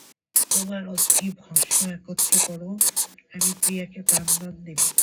তোমরা অস্থি ও ভস্ম একত্র কর আমি প্রিয়াকে প্রাণদান দিব।